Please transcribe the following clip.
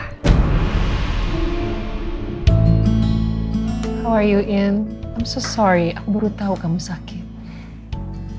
how are you in i'm so sorry aku baru tau kamu sakit